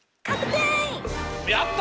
やった！